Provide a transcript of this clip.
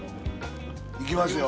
いきますよ。